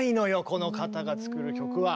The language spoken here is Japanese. この方が作る曲は。